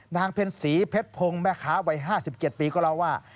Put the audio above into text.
เพ็ญศรีเพชรพงศ์แม่ค้าวัย๕๗ปีก็เล่าว่า